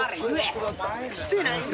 してない。